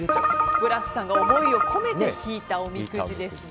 ブラスさんが思いを込めて引いたおみくじですね。